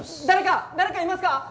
誰か誰かいますか？